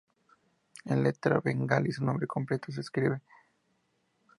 En letra bengalí, su nombre completo se escribe Atish Dipankar শ্রীজ্ঞান.